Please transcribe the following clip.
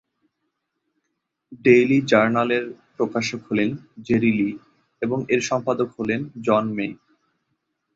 Daily জার্নালের প্রকাশক হলেন জেরি লি এবং এর সম্পাদক হলেন জন মে।